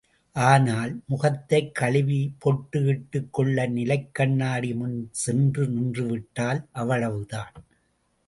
ஆனால், முகத்தைக் கழுவி பொட்டு இட்டுக் கொள்ள நிலைக் கண்ணாடி முன் சென்று நின்றுவிட்டால், அவ்வளவுதான்.